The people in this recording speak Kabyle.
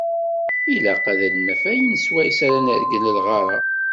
Ilaq ad d-naf ayen swayes ara nergel lɣar-a.